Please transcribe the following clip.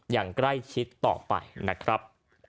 อย่างใกล้ชิดต่อไปนะครับ